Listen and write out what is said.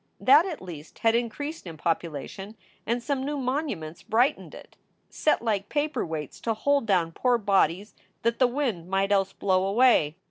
That at least had increased in population and some new monu ments brightened it, set like paper weights to hold down poor bodies that the wind might else blow away.